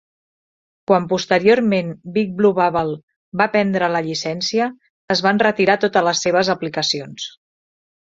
Quan, posteriorment, Big Blue Bubble va prendre la llicència, es van retirar totes les seves aplicacions.